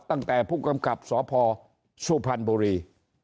ตั้งแต่ผู้กำกับสพสุพรรณบุรี